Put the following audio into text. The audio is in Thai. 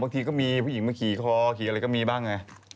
ทีก็มีผู้หญิงมาขี่คอขี่อะไรก็มีบ้างไง